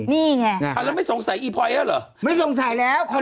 นี่ไงค่ะฮาฮะแล้วไม่สงสัยไอ้ป๊อยแล้วเหรอ